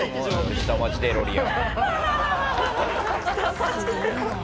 「下町デロリアン」。